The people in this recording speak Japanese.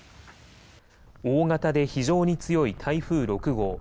大型で非常に強い台風６号。